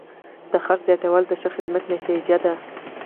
د خرڅ زیاتوالی د ښه خدمت نتیجه ده.